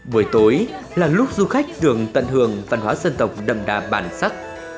buổi tối là lúc du khách dường tận hưởng văn hóa dân tộc đậm đà bản sắc